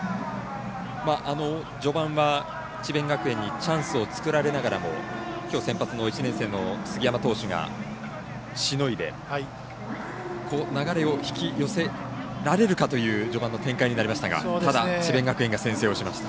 序盤は智弁学園にチャンスを作られながらもきょう、先発の１年生の杉山投手がしのいで流れを引き寄せられるかという序盤の展開になりましたがただ、智弁学園が先制をしました。